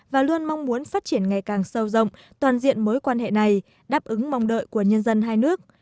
và luôn mong muốn phát triển ngày càng sâu rộng toàn diện mối quan hệ này đáp ứng mong đợi của nhân dân hai nước